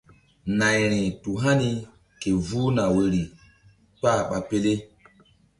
Nayri tu hani ke vuh na woyri kpah ɓa pele.